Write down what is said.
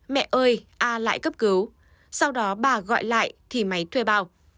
mẹ ơi a lại cấp cứu sau đó bà gọi lại thì máy thuê bao